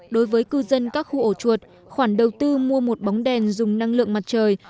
đối với cư dân các khu ổ chuột khoản đầu tư mua một bóng đèn dùng năng lượng mặt trời